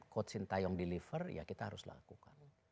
coach sintayong deliver ya kita harus lakukan